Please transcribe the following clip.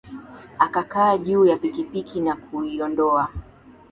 Akakaa juu ya pikipiki na kuiondoa